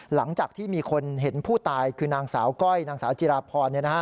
หลังจากที่มีคนเห็นผู้ตายคือนางสาวก้อยนางสาวจิราพร